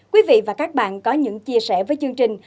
quý vị và các bạn có những chia sẻ với chương trình